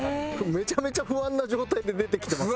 めちゃめちゃ不安な状態で出てきてますね。